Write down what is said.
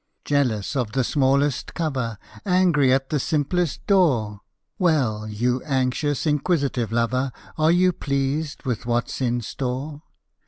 Jealous of the smallest cover, Angry at the simplest door; Well, you anxious, inquisitive lover, Are you pleased with what's in store?